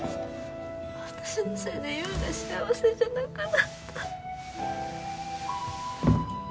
私のせいで優が幸せじゃなくなった